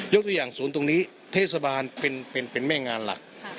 ตัวอย่างศูนย์ตรงนี้เทศบาลเป็นแม่งานหลัก